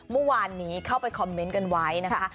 เมื่อวานนี้เข้าไปคอมเมนต์กันไว้นะคะ